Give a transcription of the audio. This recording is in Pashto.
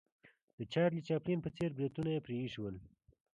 د چارلي چاپلین په څېر بریتونه یې پرې ایښې ول.